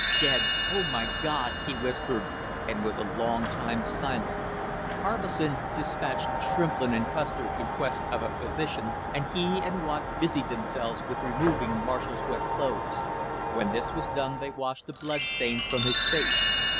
"Dead Oh, my God!" he whispered, and was a long time silent. Harbison despatched Shrimplin and Custer in quest of a physician, and he and Watt busied themselves with removing Marshall's wet clothes. When this was done they washed the blood stains from his face.